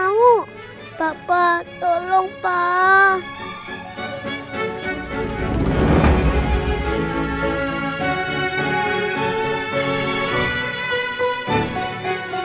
hai enggak mau bapak tolong pak